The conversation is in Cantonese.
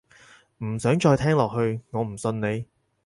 唔想再聽落去，我唔信你